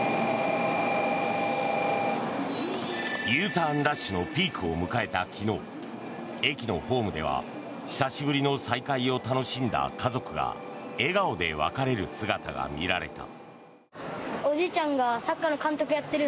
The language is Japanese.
Ｕターンラッシュのピークを迎えた昨日駅のホームでは久しぶりの再会を楽しんだ家族が笑顔で別れる姿が見られた。